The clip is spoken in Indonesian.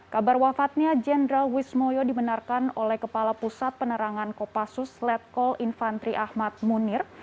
kabar wafatnya jenderal wismoyo dibenarkan oleh kepala pusat penerangan kopassus letkol infantri ahmad munir